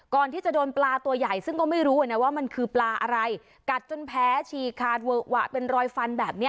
ก่อนที่จะโดนปลาตัวใหญ่ซึ่งก็ไม่รู้อ่ะนะว่ามันคือปลาอะไรกัดจนแผลฉีกขาดเวอะหวะเป็นรอยฟันแบบนี้